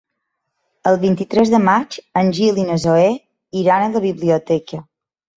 El vint-i-tres de maig en Gil i na Zoè iran a la biblioteca.